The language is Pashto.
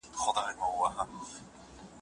هغه دروېش چې خلک ورباندې بد لګېږي